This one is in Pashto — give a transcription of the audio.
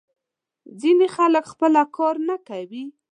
ځینې خلک خپله کار نه کوي.